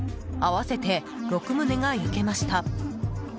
合わせて６棟が焼けました。